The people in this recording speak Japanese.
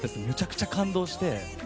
めちゃくちゃ感動して。